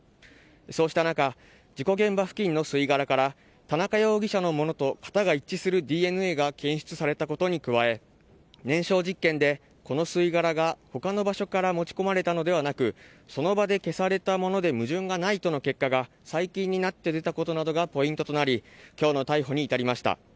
そうした中事故現場付近の吸い殻から田中容疑者のものと型が一致するＤＮＡが検出されたことに加え燃焼実験でこの吸い殻が他の場所から持ち込まれたのではなくその場で消されたもので矛盾がないとの結果が最近になって出たことなどがポイントとなり今日の逮捕に至りました。